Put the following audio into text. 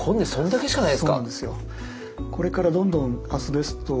そうなんですよ。